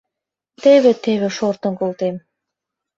Теве-теве шортын колтем...